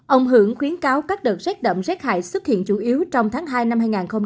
ông hưởng khuyến cáo các đợt rét đậm rét hại xuất hiện chủ yếu trong tháng hai năm hai nghìn hai mươi